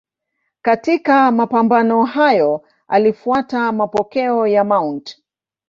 Katika mapambano hayo alifuata mapokeo ya Mt.